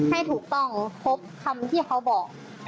ให้ถูกต้องครบคำที่เขาบอก